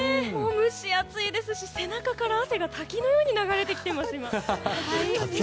蒸し暑いですし背中から汗が滝のように流れてきています。